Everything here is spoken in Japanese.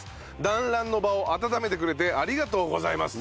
団らんの場を温めてくれてありがとうございます。